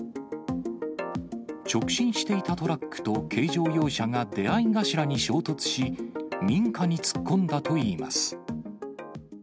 直進していたトラックと軽乗用車が出会い頭に衝突し、民家に突っ込んだといいます。